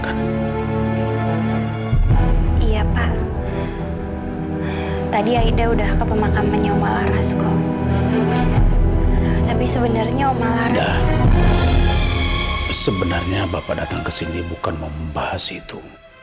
tapi sebenarnya bapak datang ke sini bukan membahas itu